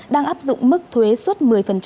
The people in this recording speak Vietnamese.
đang áp dụng mức thuế suất một mươi